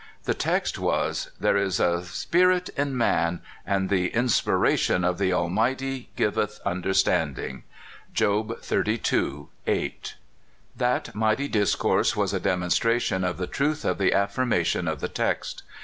The text was, " There is a spirit in man : and the inspiration of the Almighty giveth ... understanding." ( Job xxxii. 8. ) That mi^rhtv discourse was a demonstration of the truth of the afhrmation of the text.